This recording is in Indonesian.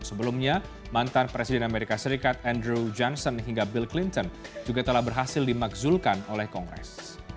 sebelumnya mantan presiden amerika serikat andrew johnson hingga bill clinton juga telah berhasil dimakzulkan oleh kongres